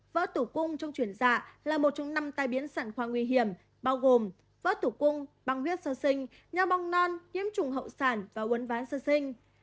vỡ tủ cung trong chuyển dạ là một trong năm tai biến sản khoa nguy hiểm bao gồm vỡ tủ cung băng huyết sơ sinh nhau bong non nhiễm trùng hậu sản và uấn ván sơ sinh